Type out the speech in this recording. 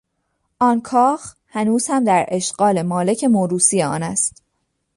آن کاخ هنوز هم در اشغال مالک موروثی آن است.